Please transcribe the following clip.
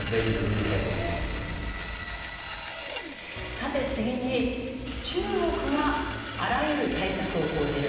さて次に中国はあらゆる対策を講じる。